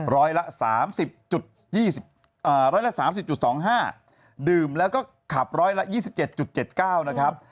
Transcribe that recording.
ร้อยละ๓๐๒๓๐๒๕ดื่มแล้วก็ขับร้อยละ๒๗๗๙นะครับ